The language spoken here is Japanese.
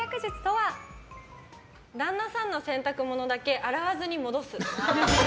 旦那さんの洗濯物だけ洗わずに戻す！